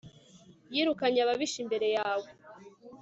yirukanye ababisha imbere yawe